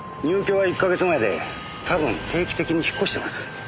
入居は１か月前で多分定期的に引っ越してます。